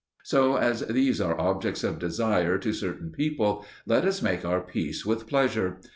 So, as these are objects of desire to certain people, let us make our peace with pleasure.